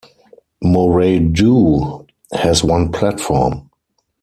Morradoo has one platform.